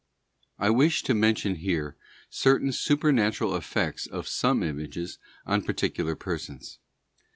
* I wish to mention here certain supernatural effects of some images on particular persons.